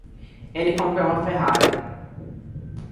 Ele comprou uma Ferrari.